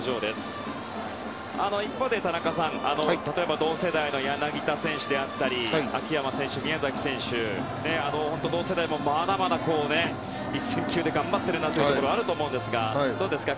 一方で、田中さん例えば同世代の柳田選手だったり秋山選手、宮崎選手同世代もまだまだ一線級で頑張っていると思いますがどうですか？